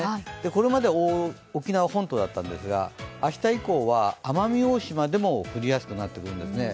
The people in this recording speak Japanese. これまでは沖縄本島だったんですが、明日以降は奄美大島でも降りやすくなってくるんですね。